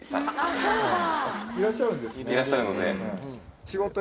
いらっしゃるので。